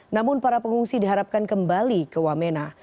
namun para pengungsi diharapkan kembali ke wamena